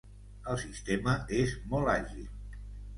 El sistema és molt àgil.